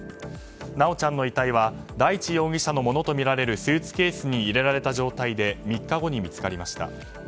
修ちゃんの遺体は大地容疑者のものとみられるスーツケースに入れられた状態で３日後に見つかりました。